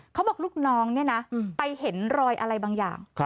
เขาบอกลูกน้องเนี่ยนะไปเห็นรอยอะไรบางอย่าง